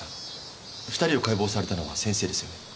２人を解剖されたのは先生ですよね？